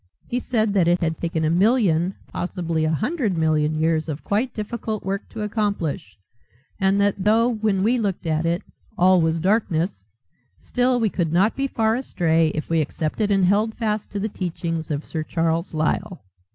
He said that it had taken a million, possibly a hundred million years of quite difficult work to accomplish, and that though when we looked at it all was darkness still we could not be far astray if we accepted and held fast to the teachings of Sir Charles Lyell.